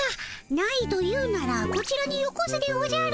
ないと言うならこちらによこすでおじゃる。